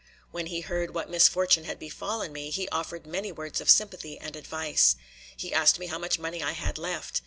When he heard what misfortune had befallen me, he offered many words of sympathy and advice. He asked me how much money I had left.